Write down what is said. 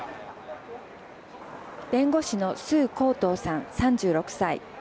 弁護士の趨幸トウさん３６歳。